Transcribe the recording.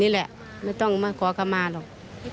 นี่แหละไม่ต้องขอเขามาหรอก